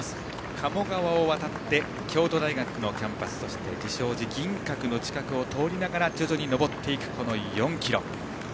鴨川を渡って京都大学のキャンパスそして銀閣の近くを通りながら徐々に上っていく４ｋｍ。